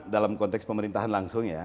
dalam konteks pemerintahan langsung ya